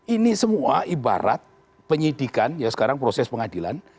ini semua ibarat penyidikan ya sekarang proses pengadilan